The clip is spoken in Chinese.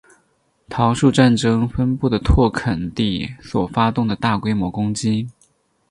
桃树战争分布的拓垦地所发动的大规模攻击。